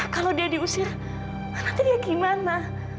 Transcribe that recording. kalau dia diusir nanti dia gimana